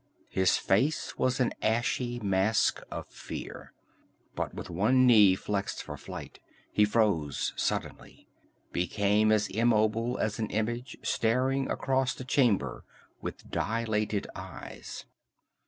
His face was an ashy mask of fear. But with one knee flexed for flight, he froze suddenly, became as immobile as an image, staring across the chamber with dilated eyes.